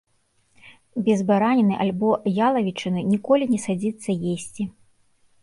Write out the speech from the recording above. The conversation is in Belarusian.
Без бараніны альбо ялавічыны ніколі не садзіцца есці.